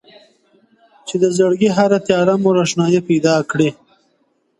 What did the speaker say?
o چي د زړکي هره تياره مو روښنايي پيدا کړي.